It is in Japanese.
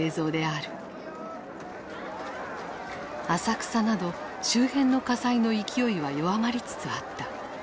浅草など周辺の火災の勢いは弱まりつつあった。